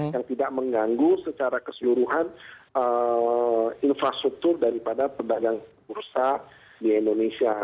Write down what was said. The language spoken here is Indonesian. yang tidak mengganggu secara keseluruhan infrastruktur daripada pedagang bursa di indonesia